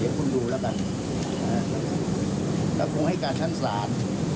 เดี๋ยวคนดูแล้วกันคุณคุณแล้วคุณให้การชั้นสาร